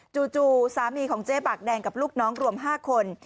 จู่สามีของเจ๊ปากแดงกับลูกน้องรวม๕คน